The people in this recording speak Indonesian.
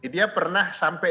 dia pernah sampai